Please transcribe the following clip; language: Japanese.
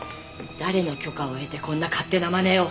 誰の許可を得てこんな勝手なまねを。